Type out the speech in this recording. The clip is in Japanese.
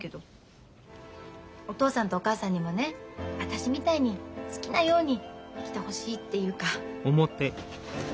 お父さんとお母さんにもね私みたいに好きなように生きてほしいっていうか。